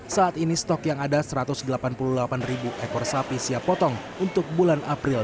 saat ini stok yang ada satu ratus delapan puluh delapan ribu ekor sapi siap potong untuk bulan april